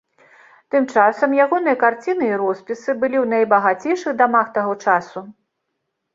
Тым часам, ягоныя карціны і роспісы былі ў найбагацейшых дамах таго часу.